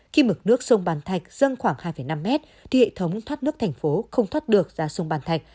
khi mực nước sông bàn thạch dâng khoảng hai năm mét thì hệ thống thoát nước thành phố không thoát được ra sông bàn thạch